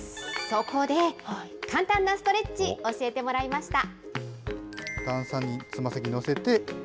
そこで、簡単にストレッチ、教えてもらいました。